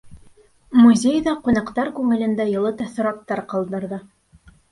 Музей ҙа ҡунаҡтар күңелендә йылы тәьҫораттар ҡалдырҙы.